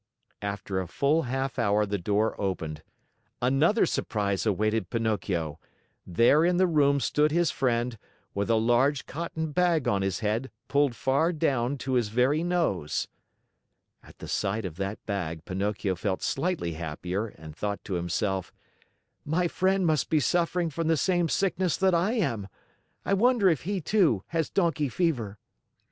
After a full half hour the door opened. Another surprise awaited Pinocchio! There in the room stood his friend, with a large cotton bag on his head, pulled far down to his very nose. At the sight of that bag, Pinocchio felt slightly happier and thought to himself: "My friend must be suffering from the same sickness that I am! I wonder if he, too, has donkey fever?"